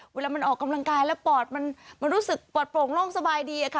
เวลามันออกกำลังกายแล้วปอดมันรู้สึกปลอดโปร่งโล่งสบายดีอะค่ะ